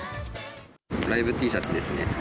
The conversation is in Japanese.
ライブＴシャツですね。